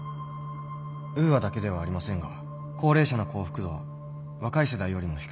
ウーアだけではありませんが高齢者の幸福度は若い世代よりも低くなっています。